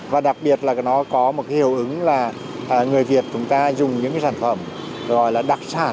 và đặc biệt là nó có một cái hiệu ứng là người việt chúng ta dùng những cái sản phẩm gọi là đặc sản